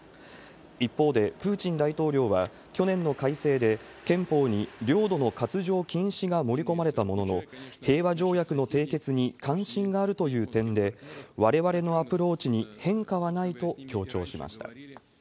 一方で、プーチン大統領は、去年の改正で憲法に領土の割譲禁止が盛り込まれたものの、平和条約の締結に関心があるという点で、われわれのアプローチに変化はないと強調しました。